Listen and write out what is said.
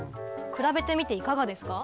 比べてみていかがですか？